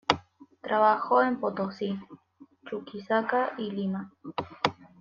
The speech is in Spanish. Trabajó en Potosí, Chuquisaca y Lima.